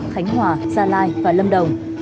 khánh hòa gia lai và lâm đồng